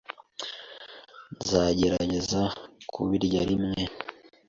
Nzagerageza kubirya rimwe.